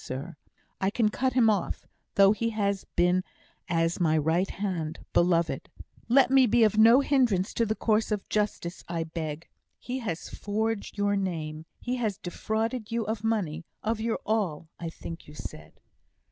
Sir, I can cut him off, though he has been as my right hand beloved. Let me be no hindrance to the course of justice, I beg. He has forged your name he has defrauded you of money of your all, I think you said."